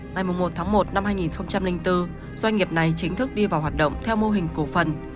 ngày một tháng một năm hai nghìn bốn doanh nghiệp này chính thức đi vào hoạt động theo mô hình cổ phần